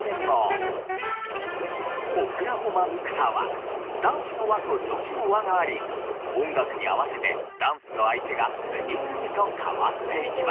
『オクラホマミクサー』は男子の輪と女子の輪があり音楽に合わせてダンスの相手が次々と変わっていきます。